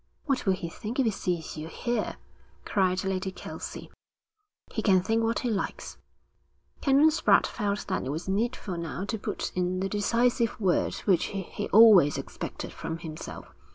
'What will he think if he sees you here?' cried Lady Kelsey. 'He can think what he likes.' Canon Spratte felt that it was needful now to put in the decisive word which he always expected from himself.